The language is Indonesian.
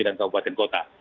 dan kabupaten kota